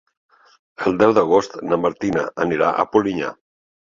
El deu d'agost na Martina anirà a Polinyà.